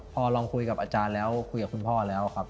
พอลองคุยกับอาจารย์แล้วคุยกับคุณพ่อแล้วครับ